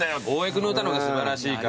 君の歌の方が素晴らしいから。